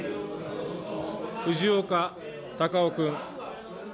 藤岡隆雄君。